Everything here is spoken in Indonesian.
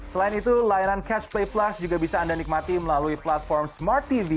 selain itu layanan catch play plus juga bisa anda nikmati melalui platform smart tv